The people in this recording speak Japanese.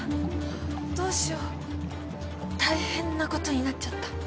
どうしよ大変なことになっちゃった。